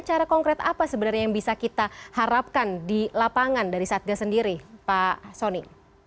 cara konkret apa sebenarnya yang bisa kita harapkan di lapangan dari satgas sendiri pak soni